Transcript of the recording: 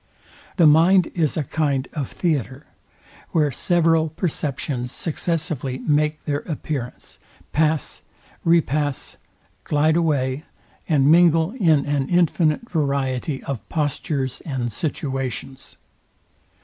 The mind is a kind of theatre, where several perceptions successively make their appearance; pass, re pass, glide away, and mingle in an infinite variety of postures and situations.